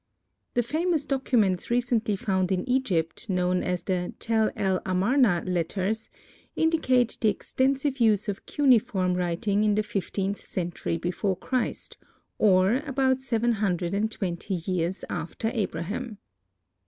The famous documents recently found in Egypt, known as the "Tel el Amarna" letters, indicate the extensive use of cuneiform writing in the fifteenth century before Christ, or about seven hundred and twenty years after Abraham.